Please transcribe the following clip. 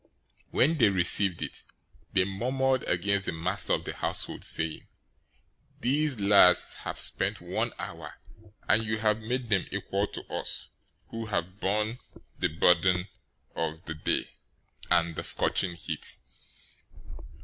020:011 When they received it, they murmured against the master of the household, 020:012 saying, 'These last have spent one hour, and you have made them equal to us, who have borne the burden of the day and the scorching heat!'